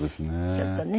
ちょっとね。